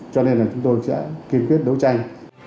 cho nên là chúng tôi sẽ kiên quyết đấu tranh